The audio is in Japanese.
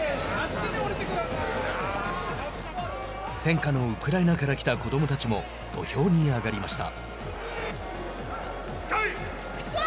戦禍のウクライナから来た子どもたちも土俵に上がりました。